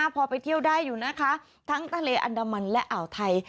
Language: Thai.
พอไปเที่ยวได้อยู่นะคะทั้งทะเลอันดามันและอ่าวไทย